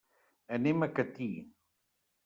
Anem a Catí.